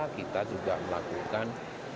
kita juga melakukan